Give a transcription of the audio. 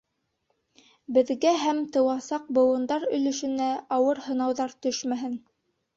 Беҙгә һәм тыуасаҡ быуындар өлөшөнә ауыр һынауҙар төшмәһен.